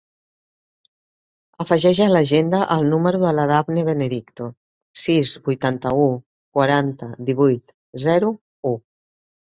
Afegeix a l'agenda el número de la Dafne Benedicto: sis, vuitanta-u, quaranta, divuit, zero, u.